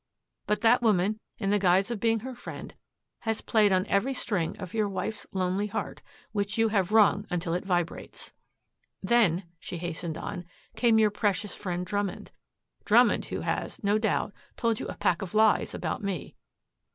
But that woman, in the guise of being her friend, has played on every string of your wife's lonely heart, which you have wrung until it vibrates. "Then," she hastened on, "came your precious friend Drummond, Drummond who has, no doubt, told you a pack of lies about me.